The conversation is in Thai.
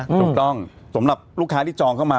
ถูกต้องสำหรับลูกค้าที่จองเข้ามา